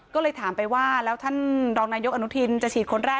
ก็เลยถามไปว่าแล้วท่านรองนายกอนุทินจะฉีดคนแรก